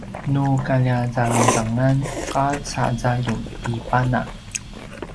nu kalja zalangzangan qaca zaljum i pana